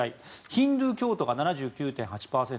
ヒンドゥー教徒が７９．８％